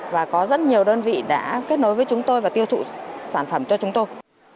và có rất nhiều đơn vị đã kết nối với chúng tôi và tiêu thụ sản phẩm cho chúng tôi